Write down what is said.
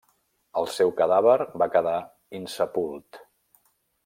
El seu cadàver va quedar insepult.